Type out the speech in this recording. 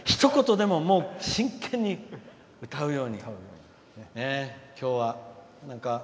ひと言でも真剣に歌うように。